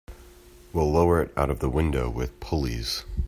We'll lower it out of the window with pulleys.